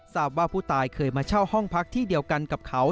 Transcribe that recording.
ทราบว่าผู้ตายเคยมาเช่าห้องพักที่เดียวกันกับเขา